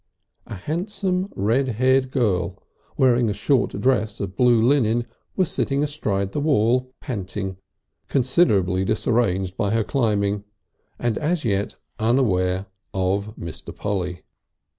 A handsome red haired girl wearing a short dress of blue linen was sitting astride the wall, panting, considerably disarranged by her climbing, and as yet unaware of Mr. Polly....